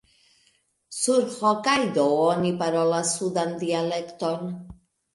Sur Hokajdo oni parolas sudan dialekton.